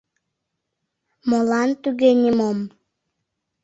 Молан туге нимом?